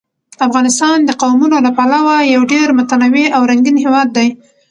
افغانستان د قومونه له پلوه یو ډېر متنوع او رنګین هېواد دی.